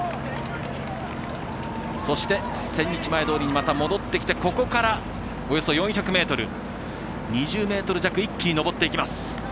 そして千日前通にまた戻ってきてここから、およそ４００ｍ２０ｍ弱、一気に上っていきます。